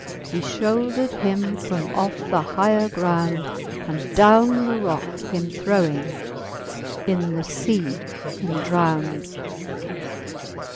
He fhouldered him from off the higher ground, And down the rock him throwing, in the fea him dround.